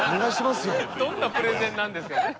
どんなプレゼンなんですかね。